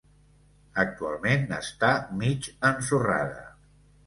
Actualment està mig ensorrada.